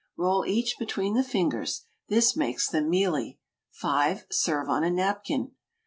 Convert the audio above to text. Roll each between the fingers: this makes them mealy. 5. Serve on a napkin.